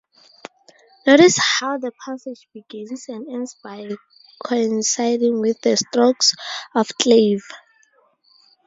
Notice how the passage begins and ends by coinciding with the strokes of clave.